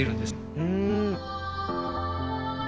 うん。